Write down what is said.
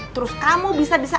terus kamu bisa bisa